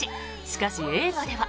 しかし、映画では。